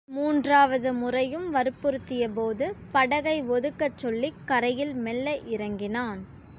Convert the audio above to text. மூன்றாவது முறையும் வற்புறுத்தியபோது படகை ஒதுக்கச் சொல்லிக் கரையில் மெல்ல இறங்கினான்.